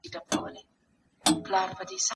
محصل وويل چي غواړي د پخوانيو جريانونو تاريخ وڅېړي.